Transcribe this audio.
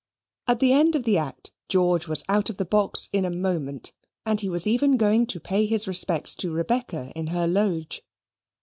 At the end of the act, George was out of the box in a moment, and he was even going to pay his respects to Rebecca in her loge.